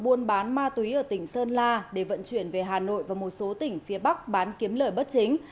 buôn bán ma túy ở tỉnh sơn la để vận chuyển về hà nội và một số tỉnh phía bắc bán kiếm lời bất chính